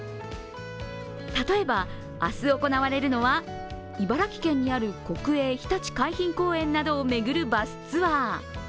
例えば明日行われるのは茨城県にある国営ひたち海浜公園などを巡るバスツアー。